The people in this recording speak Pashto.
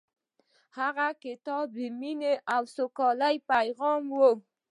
هغه کتاب د مینې او سولې پیغام و.